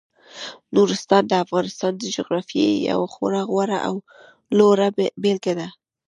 نورستان د افغانستان د جغرافیې یوه خورا غوره او لوړه بېلګه ده.